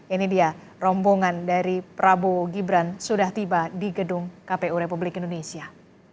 ini dia rombongan dari prabowo gibran sudah tiba di gedung kpu republik indonesia